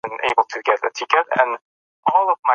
آیا په کابل کې د کرونا د تشخیص لپاره مرکزونه فعال دي؟